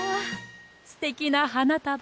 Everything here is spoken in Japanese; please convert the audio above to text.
すてきなはなたば。